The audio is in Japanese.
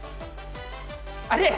あれ？